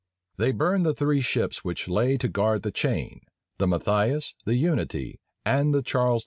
They burned the three ships which lay to guard the chain the Matthias, the Unity, and the Charles V.